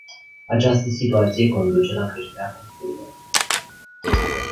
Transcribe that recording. Această situație conduce la creșterea costurilor.